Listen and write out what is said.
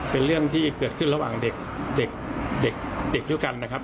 เป็นเรื่องที่เกิดขึ้นระหว่างเด็กเด็กด้วยกันนะครับ